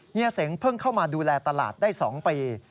เฮีเสงเพิ่งเข้ามาดูแลตลาดได้๒ปี